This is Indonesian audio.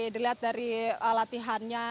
dilihat dari latihannya